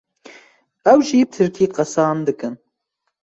ew jî bi Tirkî qisan dikin.